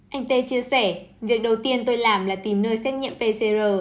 anh tê chia sẻ việc đầu tiên tôi làm là tìm nơi xét nghiệm pcr